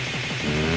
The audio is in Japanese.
うん。